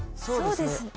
そうです。